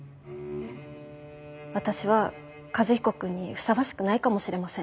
私は和彦君にふさわしくないかもしれません。